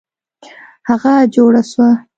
هغه جوړه سوه.